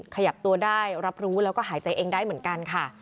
ขยับตัวได้รับรู้แล้วก็หายใจเองได้เหมือนกันค่ะ